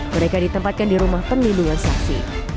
mereka ditempatkan di rumah perlindungan saksi